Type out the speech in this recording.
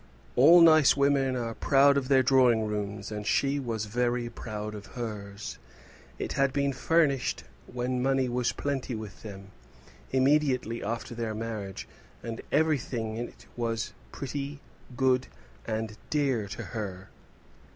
All nice women are proud of their drawing rooms, and she was very proud of hers. It had been furnished when money was plenty with them, immediately after their marriage, and everything in it was pretty, good, and dear to her.